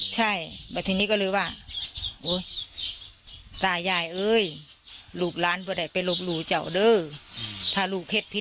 ใช่แต่ของเขามันไม่ใช่เป็นสี